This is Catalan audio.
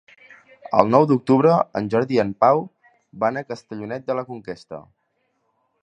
El nou d'octubre en Jordi i en Pau van a Castellonet de la Conquesta.